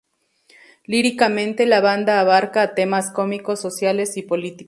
Líricamente, la banda abarca a temas cómicos, sociales y políticos.